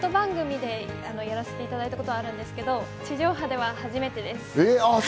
ネット番組などではやらせていただいたことがあるんですけど、地上波では初めてです。